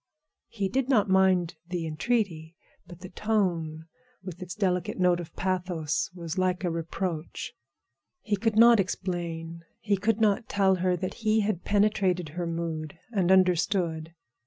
He did not mind the entreaty, but the tone with its delicate note of pathos was like a reproach. He could not explain; he could not tell her that he had penetrated her mood and understood.